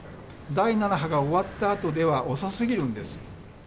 第７波が終わったあとでは遅すぎるんです。